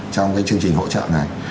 trong cái chương trình hỗ trợ này